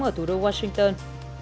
ở thủ đô washington